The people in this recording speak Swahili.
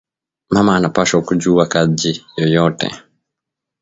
Mama ana pashwa ku juwa kaji yoyote